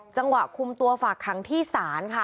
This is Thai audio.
จังหวะคุมตัวฝากขังที่ศาลค่ะ